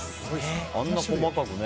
あんな細かくね。